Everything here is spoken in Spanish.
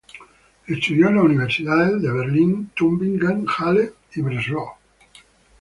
Estudió en las universidades de Berlín, Tübingen, Halle y Breslau.